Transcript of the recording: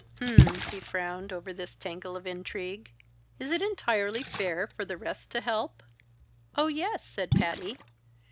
"H'm," he frowned over this tangle of intrigue. "Is it entirely fair for the rest to help?" "Oh, yes!" said Patty.